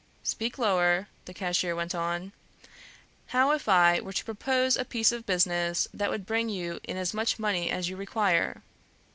"Speak lower," the cashier went on. "How if I were to propose a piece of business that would bring you in as much money as you require?"